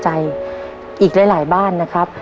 หนึ่งล้าน